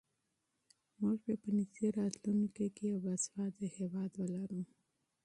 موږ به په نږدې راتلونکي کې یو باسواده هېواد ولرو.